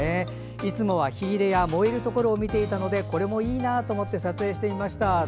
いつもは火入れや燃えるところを見ていたのでこれもいいなと思って撮影してみました。